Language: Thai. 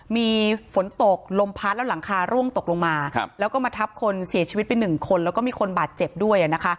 มีฝนตกลมพัดแล้วหลังคาร่วงตกลงมาแล้วก็มาทับคนเสียชีวิตไปหนึ่งคนแล้วก็มีคนบาดเจ็บด้วย